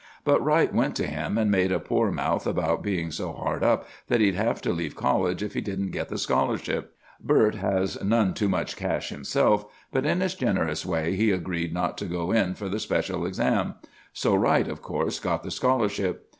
But Wright went to him, and made a poor mouth about being so hard up that he'd have to leave college if he didn't get the scholarship. Bert has none too much cash himself; but in his generous way he agreed not to go in for the special exam.